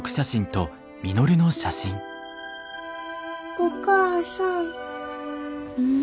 お母さん。